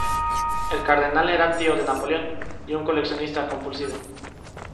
El cardenal era tío de Napoleón y un coleccionista compulsivo.